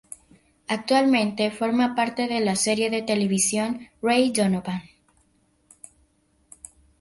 Actualmente forma parte de la serie de televisión Ray Donovan.